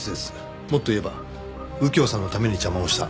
もっと言えば右京さんのために邪魔をした。